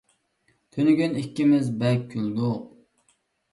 تۈنۈگۈن ئىككىمىز بەك كۈلدۇق.